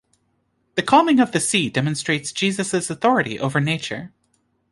The calming of the sea demonstrates Jesus' authority over nature.